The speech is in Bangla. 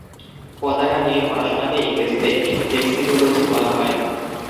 পতাকা নিয়ে পড়াশোনাকে ইংরেজিতে ভেক্সিলোলোজি বলা হয়।